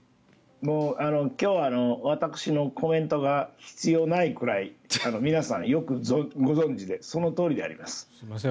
今日は私のコメントが必要ないくらい皆さんよくご存じでそのとおりであります。